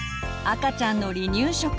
赤ちゃんの離乳食。